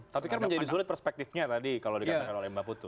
tapi kan menjadi sulit perspektifnya tadi kalau dikatakan oleh mbak putu